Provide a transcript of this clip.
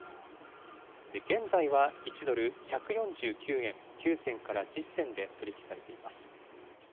現在は１ドル１４９円９銭から１０銭で取り引きされています。